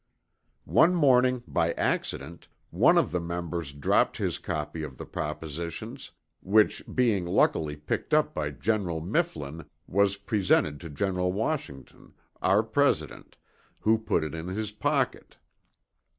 One morning, by accident, one of the Members dropt his copy of the propositions, which being luckily picked up by General Mifflin was presented to General Washington, our President, who put it in his pocket.